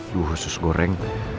duh usus goreng